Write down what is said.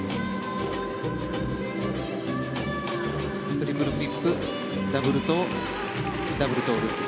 トリプルフリップダブルトウ、ダブルトウループ。